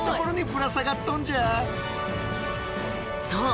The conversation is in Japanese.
そう！